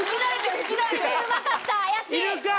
口笛うまかった怪しい！